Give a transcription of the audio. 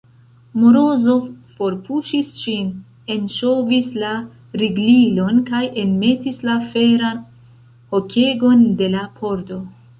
Morozov forpuŝis ŝin, enŝovis la riglilon kaj enmetis la feran hokegon de la pordo.